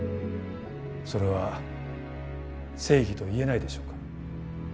それは正義と言えないでしょうか。